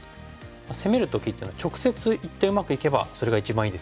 攻める時っていうのは直接いってうまくいけばそれが一番いいですよね。